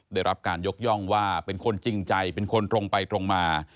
ได้รับการยกย่องว่าเป็นคนจริงใจเป็นคนตรงไปตรงมา